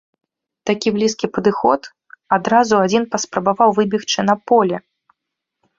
Такі блізкі падыход, адразу адзін паспрабаваў выбегчы на поле.